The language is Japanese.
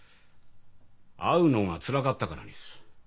会うのがつらかったからです。